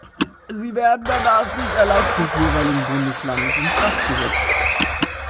Sie werden danach durch Erlass des jeweiligen Bundeslandes in Kraft gesetzt.